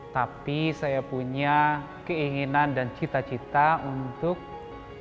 tapi saya punya keinginan dan cita cita untuk